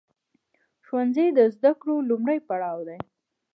ښوونځی د زده کړو لومړی پړاو دی.